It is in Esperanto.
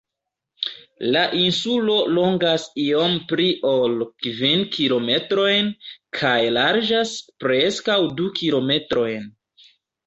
La insulo longas iom pli ol kvin kilometrojn kaj larĝas preskaŭ du kilometrojn.